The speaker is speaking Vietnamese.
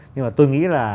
nhưng mà tôi nghĩ là